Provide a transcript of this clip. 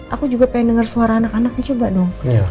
aku juga pengen dengar suara anak anaknya coba dong